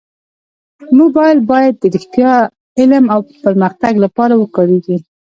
موبایل باید د رښتیا، علم او پرمختګ لپاره وکارېږي.